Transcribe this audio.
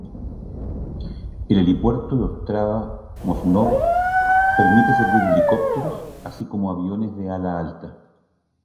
El helipuerto de Ostrava-Mošnov's permite servir helicópteros, así como aviones de ala alta.